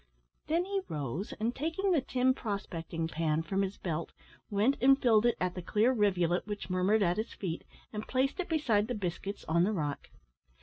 Then he rose, and taking the tin prospecting pan from his belt, went and filled it at the clear rivulet which murmured at his feet, and placed it beside the biscuits on the rock.